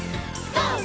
ＧＯ！